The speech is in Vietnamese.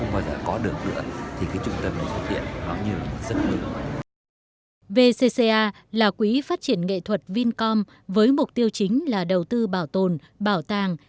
vcca là quỹ phát triển nghệ thuật vincom với mục tiêu chính là đầu tư bảo tồn bảo tàng